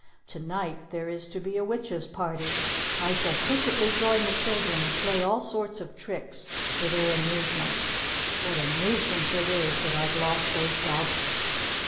To night there is to be a witch's party. I shall secretly join the children, and play all sorts of tricks for their amusement. What a nuisance it is that I've lost those goggles."